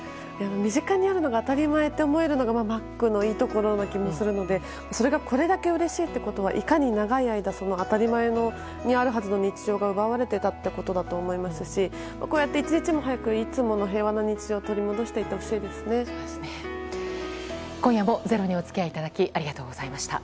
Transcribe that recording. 身近にあるのが当たり前にあると思えるのがマックのいいところだと思えるのでそれがこれだけうれしいということは、いかに長い間その当たり前にあるはずの日常が奪われていたということだと思いますしこうやって一日も早くいつもの平和な日常を今夜も「ｚｅｒｏ」にお付き合いいただきありがとうございました。